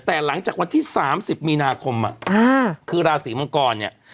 แต่หลังจากวันที่สามสิบมีนาคมอ่ะอ่าคือราศิลป์มังกรเนี่ย